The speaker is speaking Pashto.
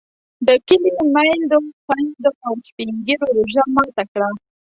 د کلي میندو، خویندو او سپین ږیرو روژه ماته کړه.